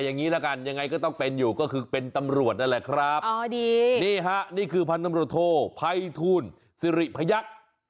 นี่คือพันธมรโทษภัยทูลสิริพยักษ์